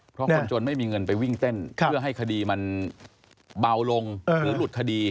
เพราะคนจนไม่มีเงินไปวิ่งเต้นเพื่อให้คดีมันเบาลงหรือหลุดคดี